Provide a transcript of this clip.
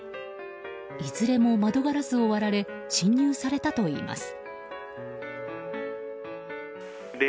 いずれも窓ガラスを割られ侵入されたといいます。